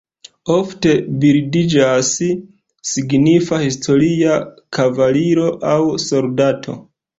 Ofte bildiĝas signifa historia kavaliro aŭ soldato.